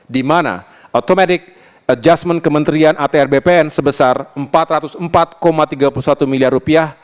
di mana automatic adjustment kementerian atr bpn sebesar empat ratus empat tiga puluh satu miliar rupiah